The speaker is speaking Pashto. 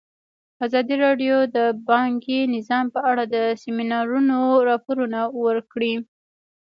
ازادي راډیو د بانکي نظام په اړه د سیمینارونو راپورونه ورکړي.